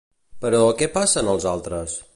Però, què passa en altres?